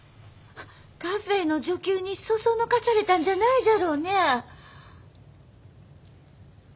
カフェーの女給にそそのかされたんじゃないじゃろうね？